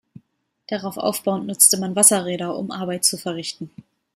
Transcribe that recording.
Darauf aufbauend, nutzte man Wasserräder um Arbeit zu verrichten.